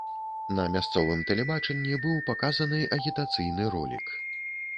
На мясцовым тэлебачанні быў паказаны агітацыйны ролік.